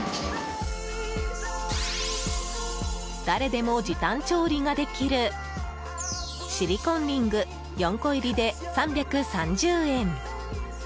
誰でも時短調理ができるシリコンリング４個入りで３３０円。